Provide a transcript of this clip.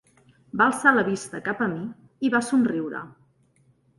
Va alçar la vista cap a mi i va somriure.